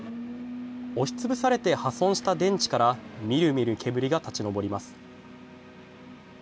押し潰されて破損した電池からみるみる煙が立ち上ります。